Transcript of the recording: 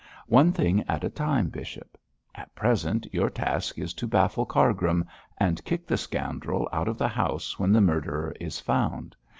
One thing at a time, bishop. At present your task is to baffle Cargrim and kick the scoundrel out of the house when the murderer is found.